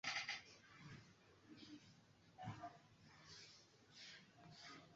ya kumi ya aina za wanyama duniani